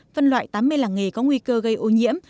phân loại tám mươi làng nghề có nguy cơ gây ô nhiễm